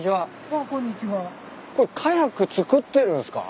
これカヤック作ってるんすか？